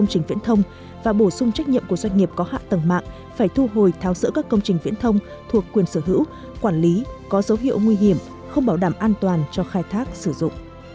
doanh nghiệp có hạ tầng mạng phải thu hồi tháo sữa các công trình viễn thông thuộc quyền sở hữu quản lý có dấu hiệu nguy hiểm không bảo đảm an toàn cho khai thác sử dụng